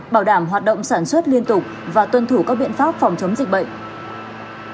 bảo đảm hoạt động sản xuất liên tục và tuân thủ các biện pháp phòng chống dịch bệnh